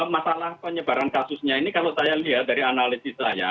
masalah penyebaran kasusnya ini kalau saya lihat dari analisis saya